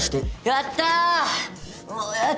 やった！